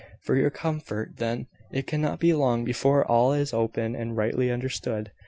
"For your comfort, then, it cannot be long before all is open and rightly understood.